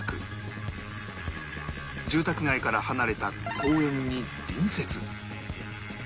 住宅街から離れた公園に隣接